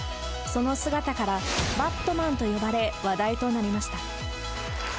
その姿から、バットマンと呼ばれ話題となりました。